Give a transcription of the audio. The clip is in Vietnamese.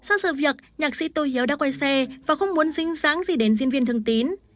sau sự việc nhạc sĩ tô hiếu đã quay xe và không muốn dính dáng gì đến diễn viên thương tín